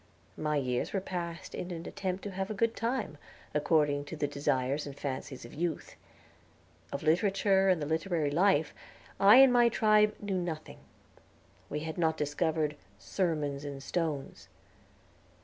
My years were passed in an attempt to have a good time, according to the desires and fancies of youth. Of literature and the literary life, I and my tribe knew nothing; we had not discovered "sermons in stones."